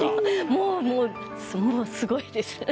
もう、すごいです。